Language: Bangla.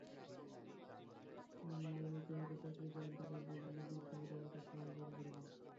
অনেকে হয়তো চাকরি করেন, তাঁদের বলব, নিজের সুবিধামতো সময় বের করে নিন।